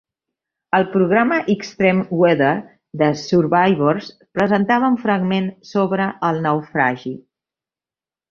El programa Extreme Weather: The Survivors presentava un fragment sobre el naufragi.